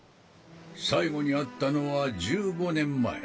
最後に会ったのは１５年前。